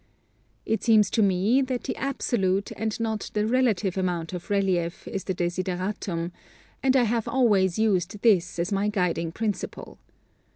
It seems to me that the absolute and not the relative amount of relief is the desideratum, and I have always used this as my guiding principle.